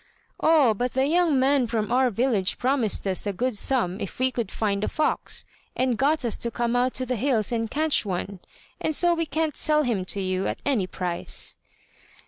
"Oh, but the young man from our village promised us a good sum if we could find a fox, and got us to come out to the hills and catch one; and so we can't sell him to you at any price."